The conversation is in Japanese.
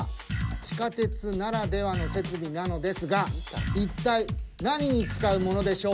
地下鉄ならではの設備なのですが一体何に使うものでしょうか？